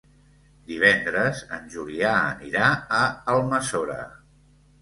Divendres en Julià anirà a Almassora.